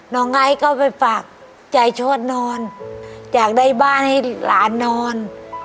ไอซ์ก็ไปฝากใจชวดนอนอยากได้บ้านให้หลานนอน